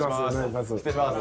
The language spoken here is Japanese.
失礼します。